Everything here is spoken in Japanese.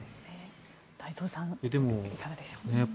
太蔵さんいかがでしょうか。